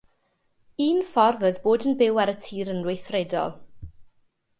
Un ffordd oedd bod yn byw ar y tir yn weithredol.